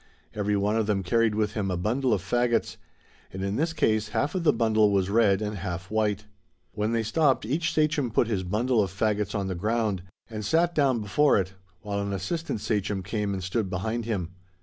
Every one of them carried with him a bundle of fagots, and in this case half of the bundle was red and half white. When they stopped each sachem put his bundle of fagots on the ground, and sat down before it, while an assistant sachem came and stood behind him.